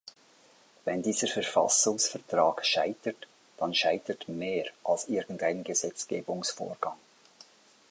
Wenn dieser Verfassungsvertrag scheitert, dann scheitert mehr als irgendein Gesetzgebungsvorgang.